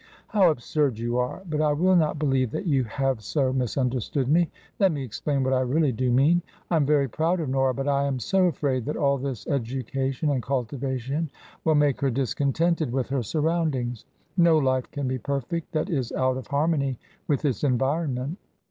"How absurd you are! But I will not believe that you have so misunderstood me. Let me explain what I really do mean. I am very proud of Nora, but I am so afraid that all this education and cultivation will make her discontented with her surroundings; no life can be perfect that is out of harmony with its environment.